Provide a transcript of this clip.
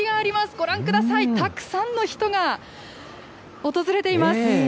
ご覧ください、たくさんの人が訪れています。